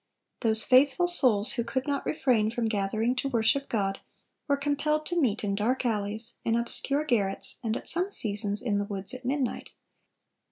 Those faithful souls who could not refrain from gathering to worship God, were compelled to meet in dark alleys, in obscure garrets, and at some seasons in the woods at midnight.